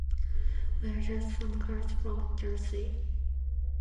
We're just some guys from Jersey.